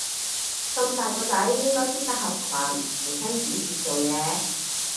咁大個仔應該要識得合群同聽指示做嘢